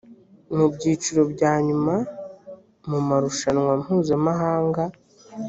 mu byiciro bya nyuma mu marushanwa mpuzamahanga